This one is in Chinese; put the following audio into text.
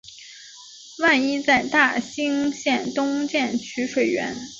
万炜在大兴县东建曲水园。